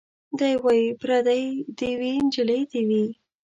دی وايي پرېدۍ دي وي نجلۍ دي وي